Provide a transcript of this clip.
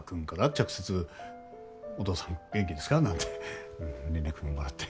直接「お父さん元気ですか？」なんて連絡もらって。